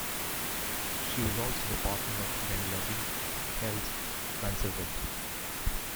She was also the partner of Ganglati, Hel's manservant.